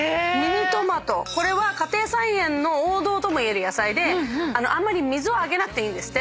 これは家庭菜園の王道ともいえる野菜であんまり水をあげなくていいんですって。